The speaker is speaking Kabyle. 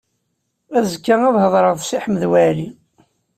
Azekka ad hedreɣ i Si Ḥmed Waɛli.